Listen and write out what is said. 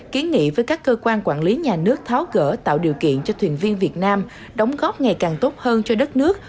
kiến nghị với các cơ quan quản lý nhà nước tháo gỡ tạo điều kiện cho thuyền viên việt nam đóng góp ngày càng tốt hơn cho đất nước